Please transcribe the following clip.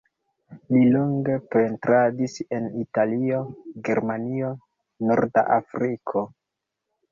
Li longe pentradis en Italio, Germanio, Norda Afriko.